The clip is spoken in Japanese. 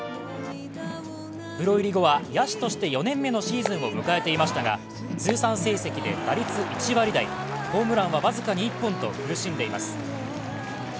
プロ入り後は野手として４年目のシーズンを迎えていましたが、通算成績で打率１割台ホームランは僅かに１本と苦しんでいます。